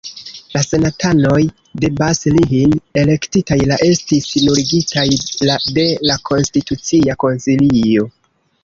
La senatanoj de Bas-Rhin elektitaj la estis nuligitaj la de la Konstitucia Konsilio.